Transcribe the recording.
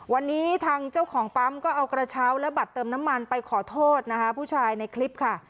วันนี้ทางเจ้าของปั๊มก็เอากระเช้าและบัตรเติมน้ำมันไปขอโทษนะคะผู้ชายในคลิปค่ะ